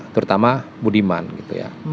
terutama budiman gitu ya